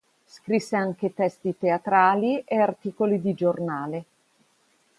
Scrisse anche testi teatrali e articoli di giornale.